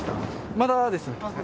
まだです。